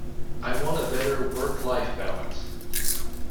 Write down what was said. I want a better work-life balance.